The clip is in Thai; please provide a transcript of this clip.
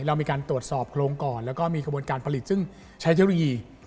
เรามีการตรวจสอบโครงก่อนแล้วก็มีขบวนการผลิตซึ่งใช้เทคโนโลยี